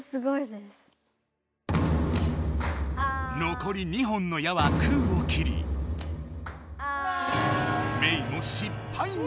残り２本の矢は空を切りメイも失敗に終わる。